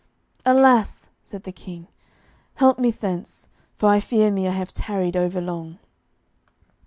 "Alas," said the King, "help me thence, for I fear me I have tarried over long."